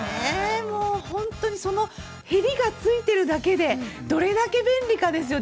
もう本当に、その縁がついてるだけで、どれだけ便利かですよね。